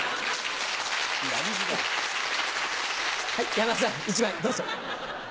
山田さん１枚どうぞ。